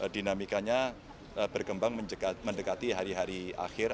dinamikanya berkembang mendekati hari hari akhir